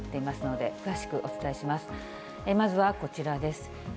まずはこちらです。